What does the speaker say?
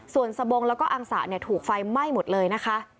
ส่วนสบงแล้วก็อังสะถูกไฟไหม้หมดเลยนะคะ